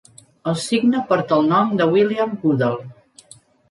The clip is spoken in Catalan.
El signe porta el nom de William Goodell.